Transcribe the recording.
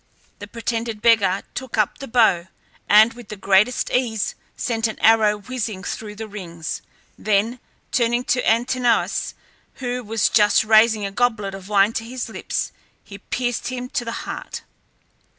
The pretended beggar took up the bow, and with the greatest ease sent an arrow whizzing through the rings; then turning to Antinous, who was just raising a goblet of wine to his lips, he pierced him to the heart.